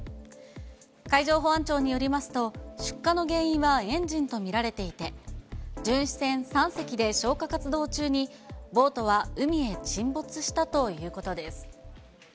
海上保安庁によりますと、出火の原因はエンジンと見られていて、巡視船３隻で消火活動中にボートは海へ沈没したということです。